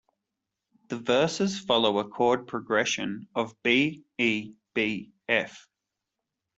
The verses follow a chord progression of B-E-B-F.